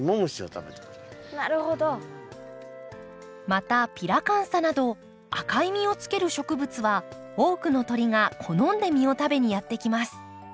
またピラカンサなど赤い実をつける植物は多くの鳥が好んで実を食べにやって来ます。